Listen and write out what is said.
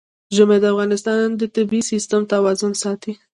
ژمی د افغانستان د طبعي سیسټم توازن ساتي.